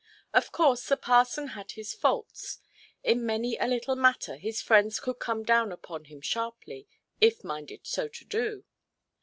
Of course the parson had his faults. In many a little matter his friends could come down upon him sharply, if minded so to do.